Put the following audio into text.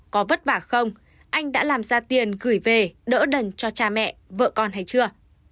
có vất vả không anh đã làm ra tiền gửi về đỡ đần cho cha mẹ vợ con hay chưa